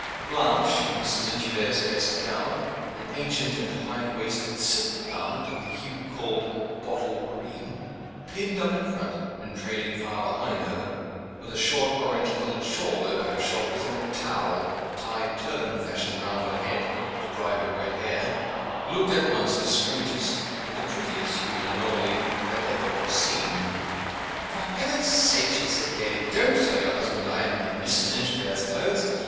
Blanche, in Mrs. Inchbare's best gown an ancient and high waisted silk garment, of the hue called "bottle green," pinned up in front, and trailing far behind her with a short, orange colored shawl over her shoulders, and a towel tied turban fashion round her head, to dry her wet hair, looked at once the strangest and the prettiest human anomaly that ever was seen. "For heaven's sake," she said, gayly, "don't tell your husband I am in Mrs. Inchbare's clothes!